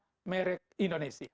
bangga merek indonesia